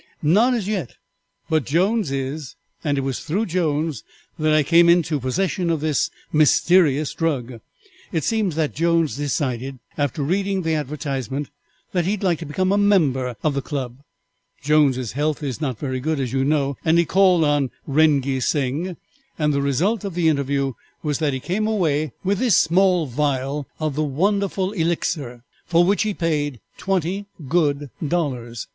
"Not as yet, but Jones is, and it was through Jones that I came into possession of this mysterious drug. It seems that Jones decided after reading the advertisement that he would like to become a member of the club. Jones' health is not very good, as you know, and he called on Rengee Sing, and the result of the interview was that he came away with this small vial of the wonderful Elixir, for which he paid twenty good dollars.